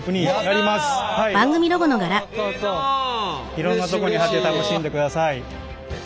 いろんなとこに貼って楽しんでください。